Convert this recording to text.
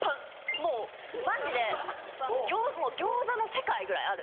もうマジで餃子の世界ぐらいある。